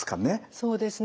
そうですね。